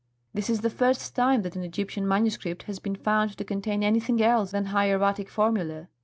"This is the first time that an Egyptian manuscript has been found to contain anything else than hieratic formulæ.